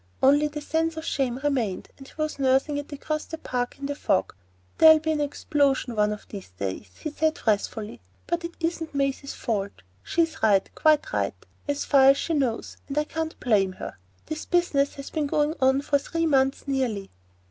Only the sense of shame remained, and he was nursing it across the Park in the fog. "There'll be an explosion one of these days," he said wrathfully. "But it isn't Maisie's fault; she's right, quite right, as far as she knows, and I can't blame her. This business has been going on for three months nearly.